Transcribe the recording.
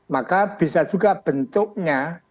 maka bisa juga bentuknya